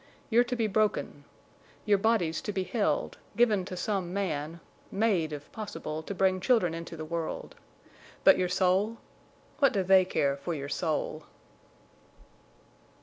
You're to be broken. Your body's to be held, given to some man, made, if possible, to bring children into the world. But your soul?... What do they care for your soul?"